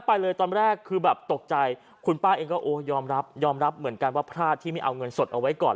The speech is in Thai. ไปเลยตอนแรกคือแบบตกใจคุณป้าเองก็โอ้ยอมรับยอมรับเหมือนกันว่าพลาดที่ไม่เอาเงินสดเอาไว้ก่อน